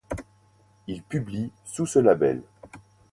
Il publie ' sous ce label.